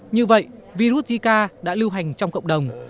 như vậy virus zika đã lưu hành trong cộng đồng